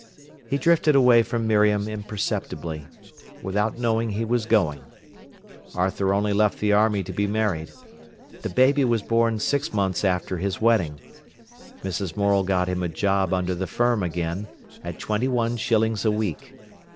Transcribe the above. He drifted away from Miriam imperceptibly, without knowing he was going. Arthur only left the army to be married. The baby was born six months after his wedding. Mrs. Morel got him a job under the firm again, at twenty one shillings a week.